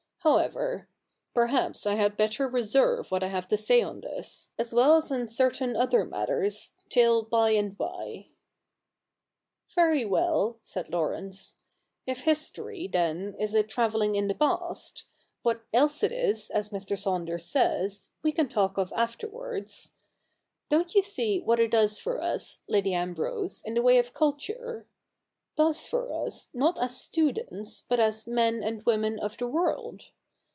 However, perhaps I had better reserve what I have to say on this, as well as on certain other matters, till by and by.' ' Very well,' said Laurence, * if history, then, is a travelling in the past — ^what else it is, as Mr. Saunders says, we can talk of afterwards — don't you see w^hat it does for us. Lady Ambrose, in the way of culture— does for us, not as students, but as men and women of the world